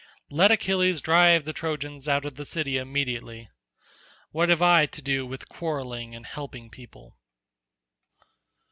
Let Achilles drive the Trojans out of their city immediately. What have I to do with quarrelling and helping people?"